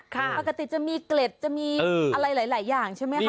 ปกติจะมีเกล็ดจะมีอะไรหลายอย่างใช่ไหมคะ